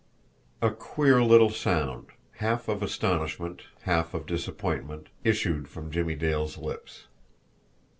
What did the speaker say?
A queer little sound, half of astonishment, half of disappointment, issued from Jimmie Dale's lips.